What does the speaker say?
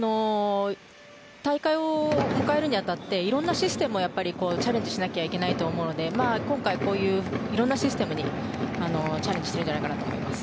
大会を迎えるに当たっていろんなシステムにチャレンジしなきゃいけないと思うので今回こういういろんなシステムにチャレンジしてるんじゃないかなと思います。